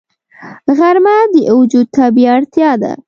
غرمه د وجود طبیعي اړتیا ده